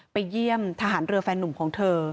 ไปเยี่ยมทหารเรือแฟนนุ่มของเธอ